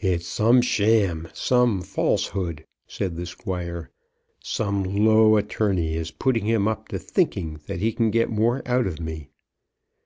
"It's some sham, some falsehood," said the Squire. "Some low attorney is putting him up to thinking that he can get more out of me."